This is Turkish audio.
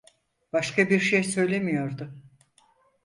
Başka bir şey söylemiyordu.